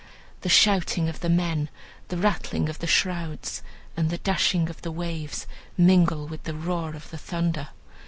The shouting of the men, the rattling of the shrouds, and the dashing of the waves, mingle with the roar of the thunder.